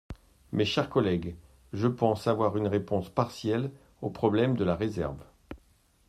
Mes chers collègues, je pense avoir une réponse partielle au problème de la réserve.